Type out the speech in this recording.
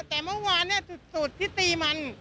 แต่เมื่อวานจุดที่ตีมัน